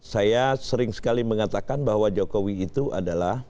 saya sering sekali mengatakan bahwa jokowi itu adalah